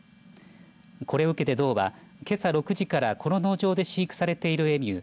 これを受けて道は、けさ６時からこの農場で飼育されているエミュー